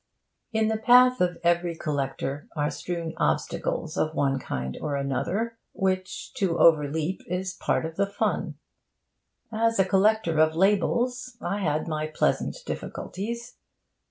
In the path of every collector are strewn obstacles of one kind or another; which, to overleap, is part of the fun. As a collector of labels I had my pleasant difficulties.